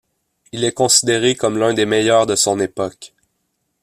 Il est considéré comme l'un des meilleurs de son époque.